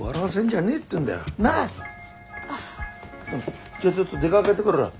じゃあちょっと出かけてくる。